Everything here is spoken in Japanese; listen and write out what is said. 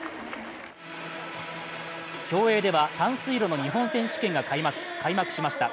競泳では短水路の日本選手権が開幕しました。